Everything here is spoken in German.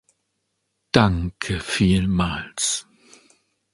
Danke vielmals.